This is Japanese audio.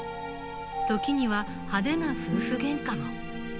時には派手な夫婦ゲンカも。